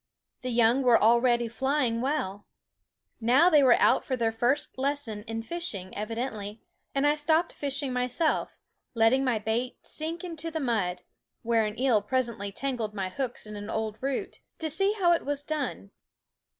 The young were already flying THE WOODS well. Now they were out for their first lesson in fishing, evidently; and I stopped fishing myself, letting my bait sink into the mud where an eel presently tangled my hooks into an old root to see how it was done.